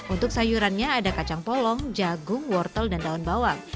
untuk sayurannya ada kacang polong jagung wortel dan daun bawang